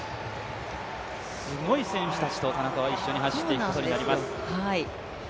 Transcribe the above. すごい選手たちと田中は一緒に走っていくことになります。